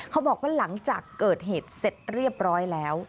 เขาบอกว่าหลังจากเกิดเหตุเสร็จเรียบร้อยแล้ว